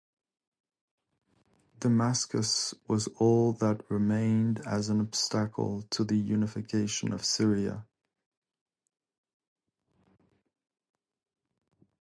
Damascus was all that remained as an obstacle to the unification of Syria.